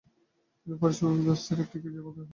তিনি ফরাসি উদ্বাস্তুদের একটি গির্জার মন্ত্রী হন।